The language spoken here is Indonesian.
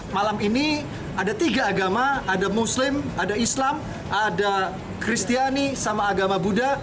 malam ini ada tiga agama ada muslim ada islam ada kristiani sama agama buddha